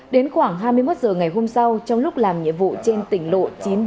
đến khoảng hai mươi một h ngày hôm sau trong lúc làm nhiệm vụ trên tỉnh lộ chín trăm bảy mươi